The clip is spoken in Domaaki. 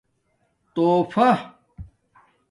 توفہ